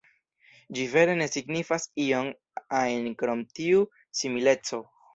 Ĝi vere ne signifas ion ajn krom tiu simileco.